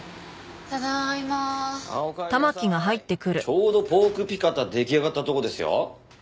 ちょうどポークピカタ出来上がったとこですよ。